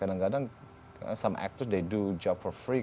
kadang kadang beberapa aktor mereka melakukan kerja secara gratis